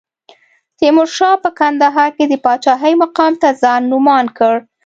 تیمورشاه په کندهار کې د پاچاهۍ مقام ته ځان نوماند کړ.